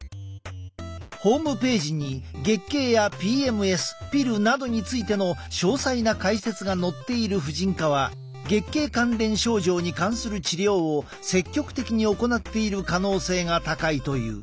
ホームページに月経やＰＭＳピルなどについての詳細な解説が載っている婦人科は月経関連症状に関する治療を積極的に行っている可能性が高いという。